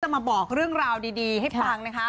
มาบอกเรื่องราวดีให้ฟังนะคะ